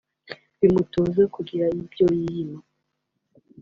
Bimutoza kugira ibyo yiyima